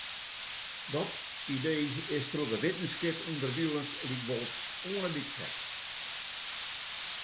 Dat idee is troch de wittenskip ûnderwilens lykwols oan ’e dyk set.